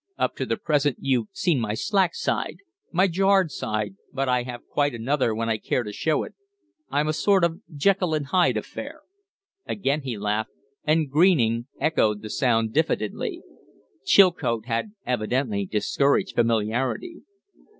Up to the present you've seen my slack side, my jarred side, but I have quite another when I care to show it. I'm a sort of Jekyll and Hyde affair." Again he laughed, and Greening echoed the sound diffidently. Chilcote had evidently discouraged familiarity.